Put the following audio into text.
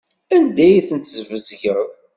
Anda ay tent-tesbezgeḍ?